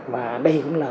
và đây cũng là